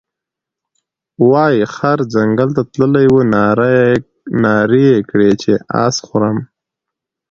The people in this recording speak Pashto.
وايې خر ځنګل ته تللى وو نارې یې کړې چې اس خورم،